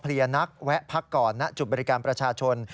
นักแวะพักก่อนณจุดบริการประชาชน